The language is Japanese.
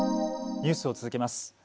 ニュースを続けます。